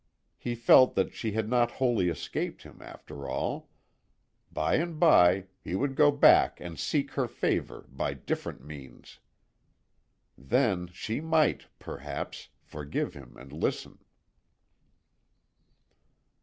He felt that she had not wholly escaped him, after all: by and by he would go back and seek her favour by different means. Then she might, perhaps, forgive him and listen.